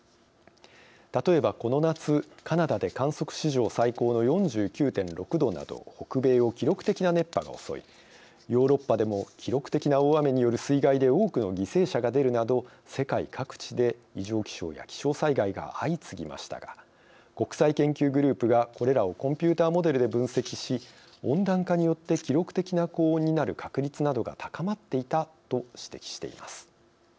例えば、この夏カナダで観測史上最高の４９．６度など北米を記録的な熱波が襲いヨーロッパでも記録的な大雨による水害で多くの犠牲者が出るなど世界各地で異常気象や気象災害が相次ぎましたが国際研究グループがこれらをコンピューターモデルで分析し温暖化によって記録的な高温になる確率などが高まっていたと指摘しています。